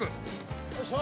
よいしょ！